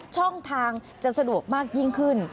ช่องทางจะสะดวกมากยิ่งขึ้น